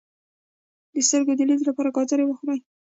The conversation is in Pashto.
د سترګو د لید لپاره ګازرې وخورئ